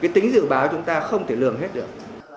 cái tính dự báo chúng ta không thể lường hết được